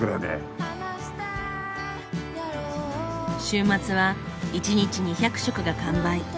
週末は１日２００食が完売。